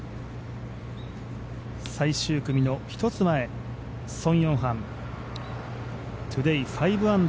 最終組の１つ前ソン・ヨンハン。